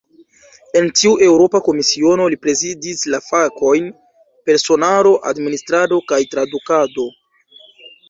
En tiu Eŭropa Komisiono, li prezidis la fakojn "personaro, administrado kaj tradukado".